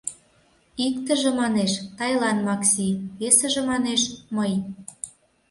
— Иктыже, манеш, Тайлан Макси, весыже, манеш, мый...